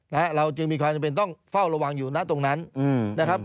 นะฮะเราจึงมีความจำเป็นต้องเฝ้าระวังอยู่นะตรงนั้นอืมนะครับ